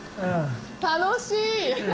楽しい！